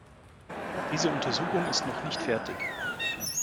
Diese Untersuchung ist noch nicht fertig.